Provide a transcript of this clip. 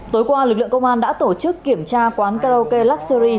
tối qua lực lượng công an đã tổ chức kiểm tra quán karaoke luxury